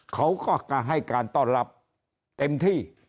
เขาก็ให้การต้อนรับเต็มที่